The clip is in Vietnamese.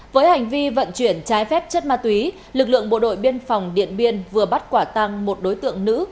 với hành vi vận chuyển trái phép chất ma túy lực lượng bộ đội biên phòng điện biên vừa bắt quả tăng một đối tượng nữ